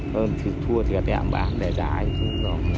hơn thì thua thì em bán để giá anh không bán